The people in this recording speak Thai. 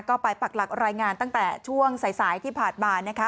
ก็ไปปักหลักรายงานตั้งแต่ช่วงสายที่ผ่านมานะคะ